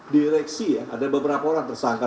direksi ya ada beberapa orang tersangka